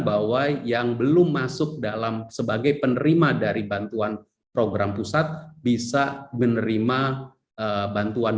bahwa yang belum masuk dalam sebagai penerima dari bantuan program pusat bisa menerima bantuan